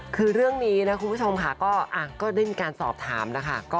คือเรื่องนี้นะคุณผู้ชมค่ะก็ได้มีการสอบถามนะคะ